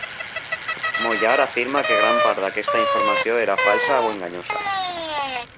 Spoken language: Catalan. Moyar afirma que gran part d'aquesta informació era falsa o enganyosa.